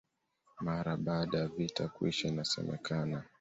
Mara baada ya vita kuisha inasemekana